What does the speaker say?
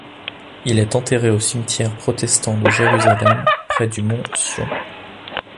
Il est enterré au cimetière protestant de Jérusalem, près du Mont Sion.